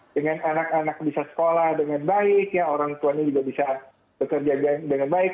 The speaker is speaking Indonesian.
dengan anak anak bisa sekolah dengan baik orang tuanya juga bisa bekerja dengan baik